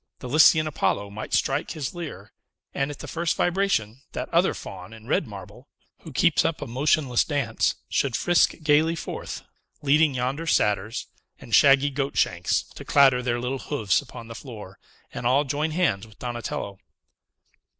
The Lycian Apollo might strike his lyre; and, at the first vibration, that other Faun in red marble, who keeps up a motionless dance, should frisk gayly forth, leading yonder Satyrs, with shaggy goat shanks, to clatter their little hoofs upon the floor, and all join hands with Donatello!